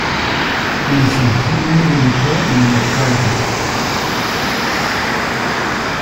En sencillo debutó en el octavo puesto.